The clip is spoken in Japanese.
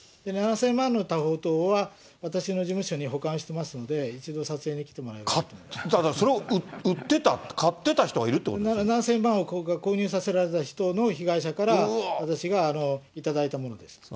７０００万の多宝塔は、私の事務所に保管してますので、一度撮影に来てもらえればと思いだから、それを売ってた、何千万か購入させられた人の被害者から、私が頂いたものです。